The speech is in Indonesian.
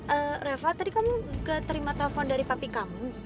eh reva tadi kamu gak terima telepon dari papi kamu